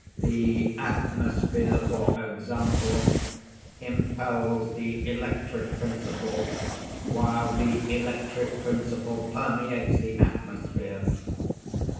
The atmosphere, for example, impels the electric principle, while the electric principle permeates the atmosphere.